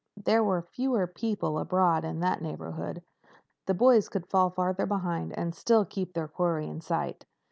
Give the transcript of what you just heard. There were fewer people abroad in that neighborhood. The boys could fall farther behind and still keep their quarry in sight.